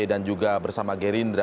dan juga bersama geri